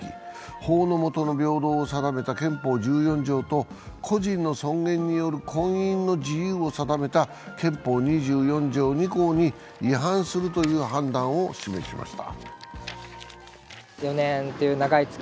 法の下の平等を定めた憲法１４条と、個人の尊厳による婚姻の自由を定めた憲法２４条２項に違反するという判断を示しました。